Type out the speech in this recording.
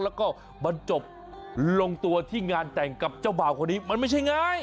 แล้วก็มันจบลงตัวที่งานแต่งกับเจ้าบ่าวคนนี้มันไม่ใช่ไง